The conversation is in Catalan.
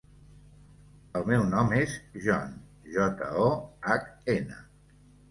El meu nom és John: jota, o, hac, ena.